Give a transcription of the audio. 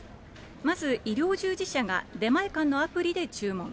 まず、医療従事者が出前館のアプリで注文。